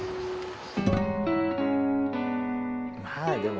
はい。